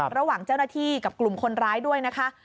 ระหว่างเจ้าหน้าที่กับกลุ่มคนร้ายด้วยนะคะ